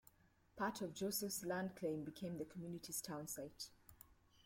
Part of Joseph's land claim became the community's townsite.